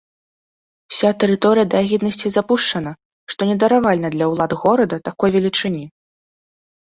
Уся тэрыторыя да агіднасці запушчана, што недаравальна для ўлад горада такой велічыні.